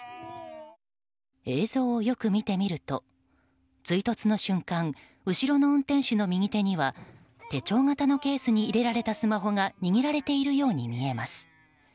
映像をよく見てみると追突の瞬間後ろの運転手の右手には手帳型のケースに入れられたスマホが握られているように見えます。